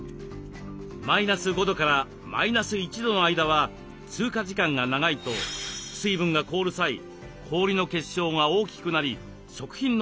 マイナス５度からマイナス１度の間は通過時間が長いと水分が凍る際氷の結晶が大きくなり食品の組織を損なうのです。